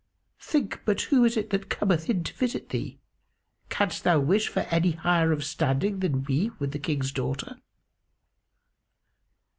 Think but who it is that cometh in to visit thee: canst thou wish for any higher of standing than we with the King's daughter?"